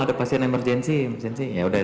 ada pasien emergensi yaudah